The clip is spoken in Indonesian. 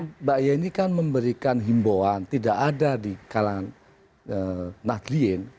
karena mbak yeni kan memberikan himboan tidak ada di kalangan nahdlien